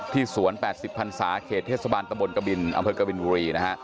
สวน๘๐พันศาเขตเทศบาลตะบนกบินอำเภอกบินบุรีนะฮะ